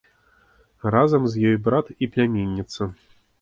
Разам з ёй брат і пляменніца.